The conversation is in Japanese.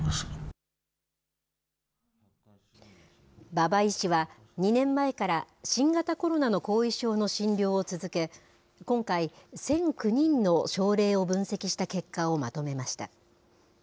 馬場医師は、２年前から新型コロナの後遺症の診療を続け、今回、１００９人の症例を分析した結果をまとめました。